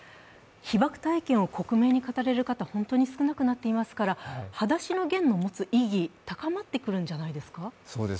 被爆体験を国民に伝える方は本当に少なくなっていますから「はだしのゲン」の持つ意義、高まってくるんじゃないですか？